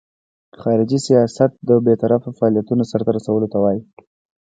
خارجي سیاست د بیطرفه فعالیتونو سرته رسولو ته وایي.